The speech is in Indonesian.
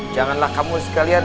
janganlah kamu sekalian